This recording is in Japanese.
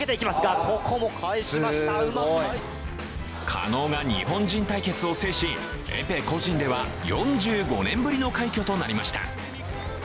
加納が日本人対決を制しエペ個人では４５年ぶりの快挙となりました。